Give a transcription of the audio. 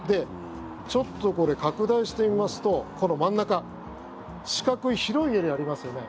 ちょっとこれ拡大してみますとこの真ん中四角い広いエリアありますよね。